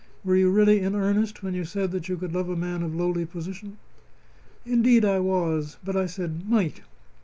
Were you really in earnest when you said that you could love a man of lowly position?" "Indeed I was. But I said 'might.'